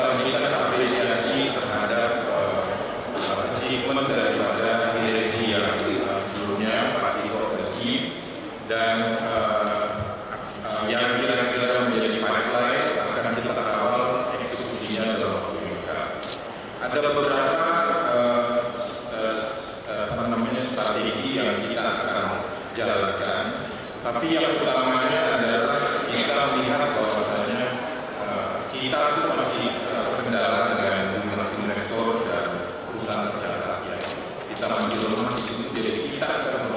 bursa efek indonesia memiliki direksi baru selama tiga tahun ke depan inarno jayadi resmi menggantikan tito sulistyo sebagai direktur utama pt bursa efek indonesia